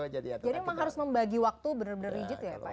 memang harus membagi waktu benar benar rigid ya pak ya